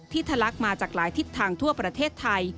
ทะลักมาจากหลายทิศทางทั่วประเทศไทย